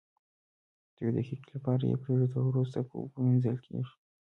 د یوې دقیقې لپاره یې پریږدو او وروسته په اوبو مینځل کیږي.